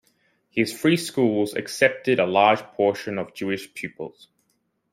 His Free Schools accepted a large portion of Jewish pupils.